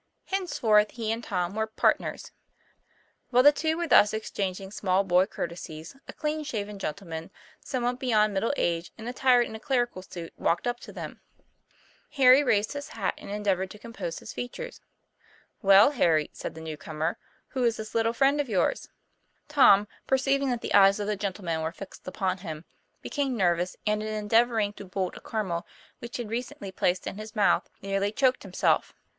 Henceforth he and Tom were "partners." While the two were thus exchanging small boy courtesies, a clean shaven gentleman, somewhat be yond middle age and attired in a clerical suit, walked up to them. Harry raised his hat, and endeavored to compose his features. "Well, Harry," said the new comer, "who is this little friend of yours?" Tom, perceiving that the eyes of the gentleman were fixed upon him, became nervous, and in endeav oring to bolt a caramel which he had recently placed in his mouth, nearly choked himself.